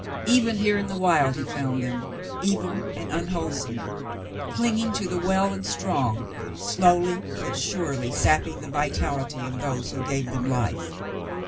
Even here in the wild he found them, evil and unwholesome, clinging to the well and strong, slowly but surely sapping the vitality of those who gave them life.